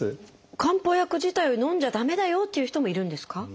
漢方薬自体をのんじゃ駄目だよという人もいるんですか？